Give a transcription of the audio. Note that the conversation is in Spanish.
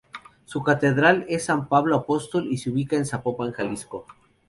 Su Catedral es San Pablo Apóstol y se ubica en Zapopan Jalisco.